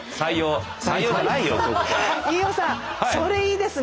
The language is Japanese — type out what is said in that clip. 飯尾さんそれいいですね。